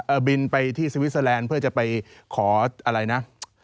บินไปที่สวิสเตอร์แลนด์เพื่อจะไปขออะไรนะ